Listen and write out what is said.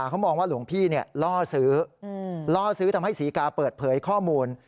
เขามองว่าหลวงพี่ล่อซื้อล่อซื้อทำให้ศรีกาเปิดเผยข้อมูล